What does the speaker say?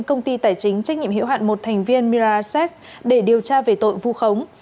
công ty tài chính trách nhiệm hiệu hạn một thành viên miracess để điều tra về tội phu khống